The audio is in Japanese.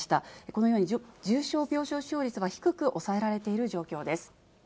このように、重症病床使用率は低く抑えられている状況です。